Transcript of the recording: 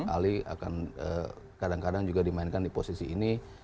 ali akan kadang kadang juga dimainkan di posisi ini